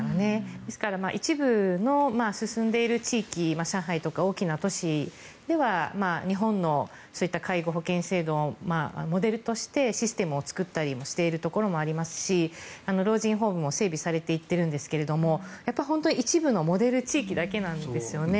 ですから、一部の進んでいる地域上海とか大きな都市では日本のそういった介護保険制度をモデルとして、システムを作ったりしているところもありますし老人ホームも整備されていっているんですが本当に一部のモデル地域だけなんですよね。